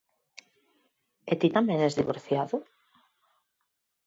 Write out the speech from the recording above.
E ti tamén es divorciado?